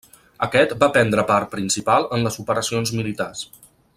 Aquest va prendre part principal en les operacions militars.